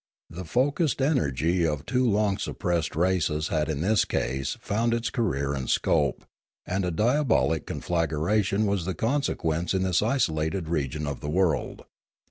The focussed energy of two long suppressed races had in this case found its career and scope, and a diabolic conflagration was the consequence in this isolated region of the world.